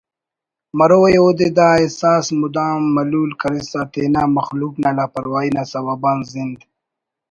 مروئے اودے دا احساس مدام ملول کریسہ تینا مخلوق نا لاپرواہی نا سوب آن زند